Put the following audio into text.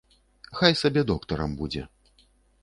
Хай сабе доктарам будзе.